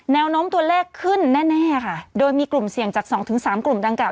แนวโน้มตัวเลขขึ้นแน่แน่ค่ะโดยมีกลุ่มเสี่ยงจากสองถึงสามกลุ่มดังกล่า